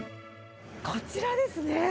こちらですね。